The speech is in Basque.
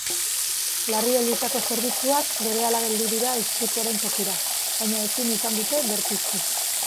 Larrialdietako zerbitzuak berehala heldu dira istripuaren tokira, baina ezin izan dute berpiztu.